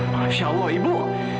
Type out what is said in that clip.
masya allah ibu